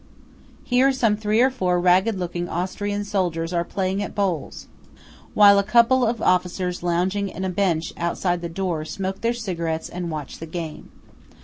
Here some three or four ragged looking Austrian soldiers are playing at bowls, while a couple of officers lounging on a bench outside the door, smoke their cigarettes and watch the game.